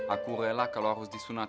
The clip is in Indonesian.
aku rela kalau harus disunat